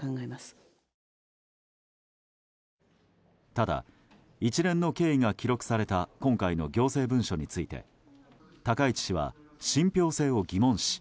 ただ、一連の経緯が記録された今回の行政文書について高市氏は信憑性を疑問視。